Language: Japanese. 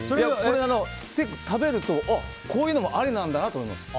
食べるとこういうのもありなんだなと思いました。